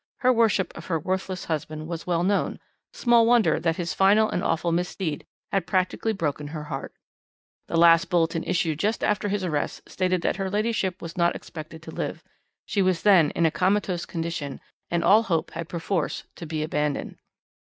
Her worship of her worthless husband was well known; small wonder that his final and awful misdeed had practically broken her heart. The latest bulletin issued just after his arrest stated that her ladyship was not expected to live. She was then in a comatose condition, and all hope had perforce to be abandoned.